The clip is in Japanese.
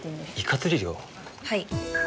はい。